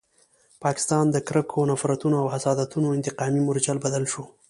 پاکستان د کرکو، نفرتونو او حسادتونو انتقامي مورچل بدل شو.